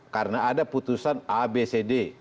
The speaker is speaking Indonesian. karena ada putusan abcd